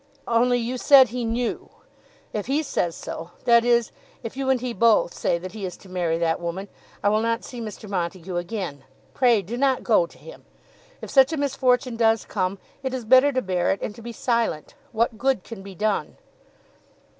"Only you said he knew! If he says so, that is, if you and he both say that he is to marry that woman, I will not see Mr. Montague again. Pray do not go to him. If such a misfortune does come, it is better to bear it and to be silent. What good can be done?"